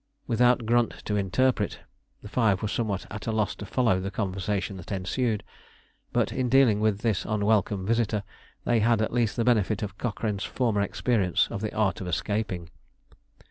Without Grunt to interpret, the five were somewhat at a loss to follow the conversation that ensued, but, in dealing with this unwelcome visitor, they at least had the benefit of Cochrane's former experience of the art of escaping.